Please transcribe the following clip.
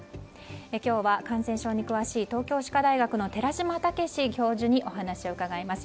今日は感染症に詳しい東京歯科大学の寺嶋毅教授にお話を伺います。